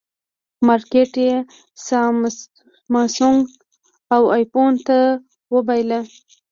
مارکېټ یې سامسونګ او ایفون ته وبایله.